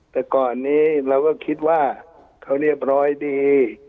แต่ก่อนนี้เราก็คิดว่าเขาเรียบร้อยดี